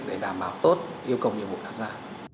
để đảm bảo tốt yêu cầu nhiệm vụ đã ra